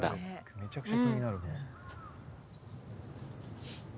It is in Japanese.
めちゃくちゃ気になるね。